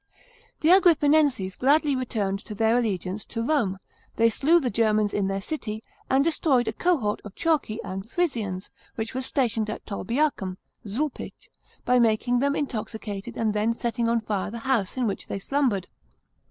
§ 12. The Agnppinenses gladly returned to their allegiance to Rome; they slew the Germans in their city, and destroyed a cohort of Chauci and Frisians, which was stationed at Tolbiacum (Ziilpich), by making them intoxicated and then setting on fire the house in which they slumbered.